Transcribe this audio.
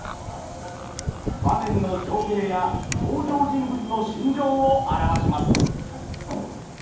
場面の情景や登場人物の心情を表します。